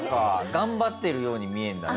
頑張ってるように見えるんだね